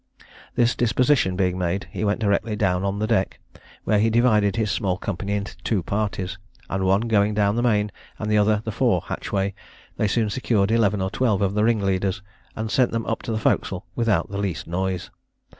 This disposition being made, he went directly down on the deck, where he divided his small company into two parties; and, one going down the main, and the other the fore hatchway, they soon secured eleven or twelve of the ringleaders, and sent them up to the forecastle without the least noise.